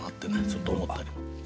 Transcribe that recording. ちょっと思ったりも。